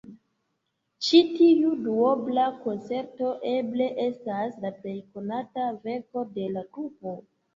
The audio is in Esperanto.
Ĉi tiu duobla konĉerto eble estas la plej konata verko de la grupo.